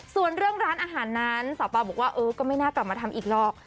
ส่วนเรื่องร้านอาหารนั้นสาวเปล่าบอกว่าเออก็ไม่น่ากลับมาทำอีกหรอก